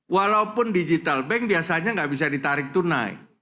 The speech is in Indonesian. walaupun digital bank biasanya nggak bisa ditarik tunai